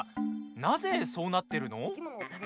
なぜ、そうなってるの？